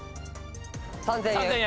３０００円。